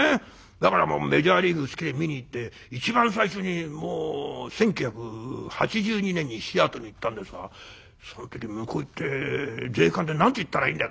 だからメジャーリーグ好きで見に行って一番最初にもう１９８２年にシアトルに行ったんですがその時「向こう行って税関で何て言ったらいいんだ？」。